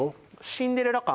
シンデレラ感